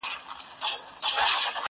• دا د هجر شپې به ټولي پرې سبا کړو,